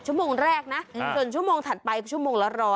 ชั่วโมงแรกนะส่วนชั่วโมงถัดไปชั่วโมงละ๑๐๐